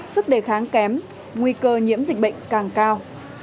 sức đề kháng kém nguy cơ nhiễm dịch bệnh càng cao